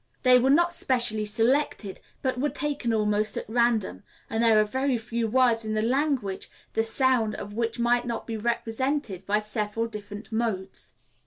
They were not specially selected, but were taken almost at random. And there are very few words in the language the sound of which might not be represented by several different modes.